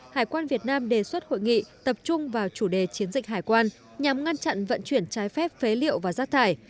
hải quan việt nam đề xuất hội nghị tập trung vào chủ đề chiến dịch hải quan nhằm ngăn chặn vận chuyển trái phép phế liệu và rác thải